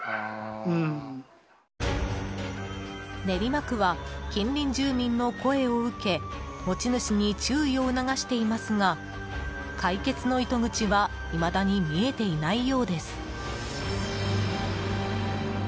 練馬区は、近隣住民の声を受け持ち主に注意を促していますが解決の糸口はいまだに見えていないようです。